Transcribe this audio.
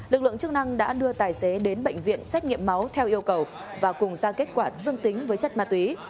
lực lượng chức năng đã đưa tài xế đến bệnh viện xét nghiệm máu theo yêu cầu và cùng ra kết quả dương tính với chất ma túy